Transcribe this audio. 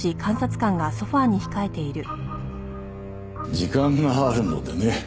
時間があるのでね